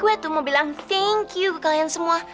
gue tuh mau bilang thank you ke kalian semua